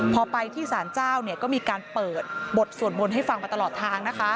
พอไปที่สารเจ้าก็มีการเปิดบทสวดมนต์ให้ฟังมาตลอดทางนะคะ